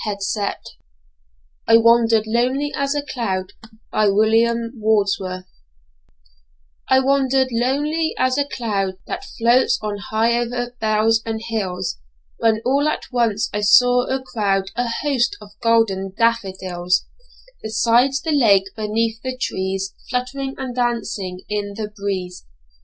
William Wordsworth I Wandered Lonely As a Cloud I WANDERED lonely as a cloud That floats on high o'er vales and hills, When all at once I saw a crowd, A host, of golden daffodils; Beside the lake, beneath the trees, Fluttering and dancing in the breeze.